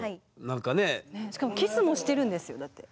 しかもキスもしてるんですよだって。